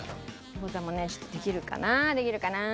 餃子もねできるかなできるかな。